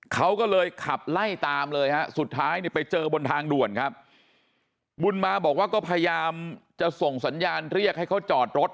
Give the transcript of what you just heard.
เขาก็เลยขับไล่ตามเลยฮะสุดท้ายเนี่ยไปเจอบนทางด่วนครับบุญมาบอกว่าก็พยายามจะส่งสัญญาณเรียกให้เขาจอดรถ